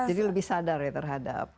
jadi lebih sadar ya terhadap